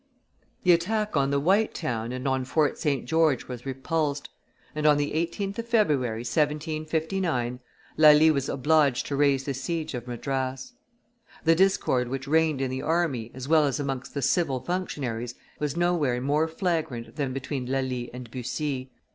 The attack on the White Town and on Fort St. George was repulsed; and on the 18th of February, 1759, Lally was obliged to raise the siege of Madras. The discord which reigned in the army as well as amongst the civil functionaries was nowhere more flagrant than between Lally and Bussy.